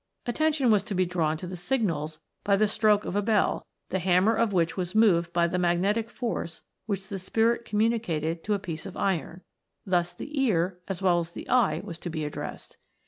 Attention was to be drawn to the signals by the stroke of a bell, the hammer of which was moved by the mag netic force which the Spirit communicated to a piece of iron ; thus the ear as well as the eye was to be addressed.